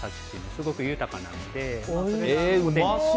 すごく豊かなので。